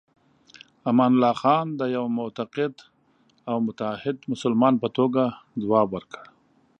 امان الله خان د یوه معتقد او متعهد مسلمان په توګه ځواب ورکړ.